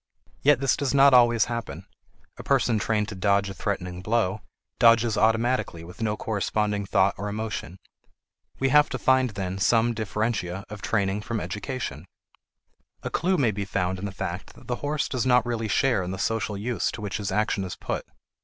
Yet this does not always happen; a person trained to dodge a threatening blow, dodges automatically with no corresponding thought or emotion. We have to find, then, some differentia of training from education. A clew may be found in the fact that the horse does not really share in the social use to which his action is put.